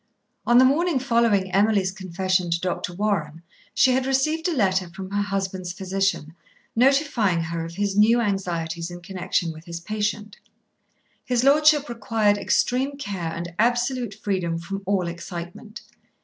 On the morning following Emily's confession to Dr. Warren she had received a letter from her husband's physician, notifying her of his new anxieties in connection with his patient. His lordship required extreme care and absolute freedom from all excitement.